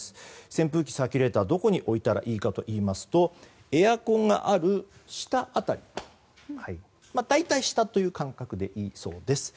扇風機、サーキュレーターをどこに置いたらいいかというとエアコンがある下辺り大体下という感覚でいいそうです。